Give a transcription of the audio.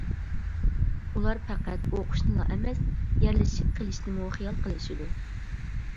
ئۇلار پەقەت ئوقۇشنىلا ئەمەس، يەرلىشىپ قىلىشنىمۇ خىيال قىلىشىدۇ.